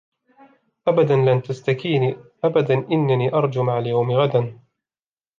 أبدًا لنْ تَسْتَكِينى أبدا إنَّنى أَرْجُو مع اليومِ غَدَا